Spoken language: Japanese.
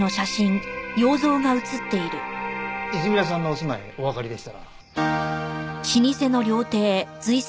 泉田さんのお住まいおわかりでしたら。